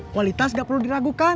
kualitas gak perlu diragukan